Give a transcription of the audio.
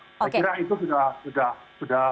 saya kira itu sudah